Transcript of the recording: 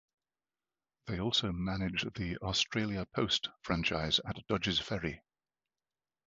They also manage the Australia Post franchise at Dodges Ferry.